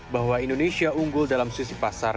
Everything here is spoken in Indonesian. bahwa indonesia unggul dalam sisi pasar